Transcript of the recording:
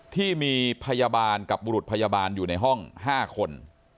ที่มีพยาบาลกับบุรุษพยาบาลอยู่ในห้อง๕คน